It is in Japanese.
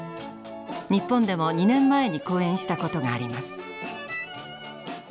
日本でも２年前に公演したことがあります。